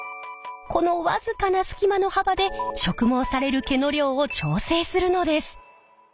この僅かな隙間の幅で植毛される毛の量を調整するのです。